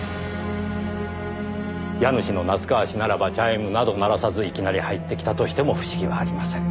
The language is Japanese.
家主の夏河氏ならばチャイムなど鳴らさずいきなり入ってきたとしても不思議はありません。